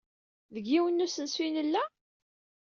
Deg yiwen n usensu ay nella?